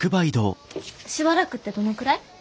しばらくってどのくらい？